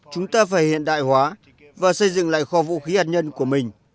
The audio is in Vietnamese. chúng ta phải hiện đại hóa và xây dựng lại kho vũ khí hạt nhân của mình